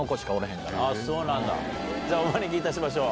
じゃあお招きいたしましょう。